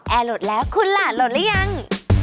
แอร์โหลดแล้วคุณล่ะโหลดแล้วยัง